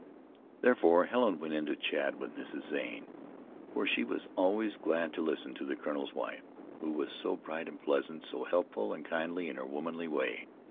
Therefore Helen went in to chat with Mrs. Zane, for she was always glad to listen to the colonel's wife, who was so bright and pleasant, so helpful and kindly in her womanly way.